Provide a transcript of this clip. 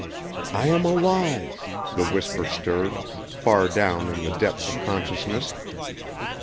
"I am alive," the whisper stirred, far down in the depths of consciousness.